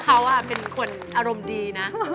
เฟคเว่า่าค่ะเป็นคนอารมณ์ดีนะ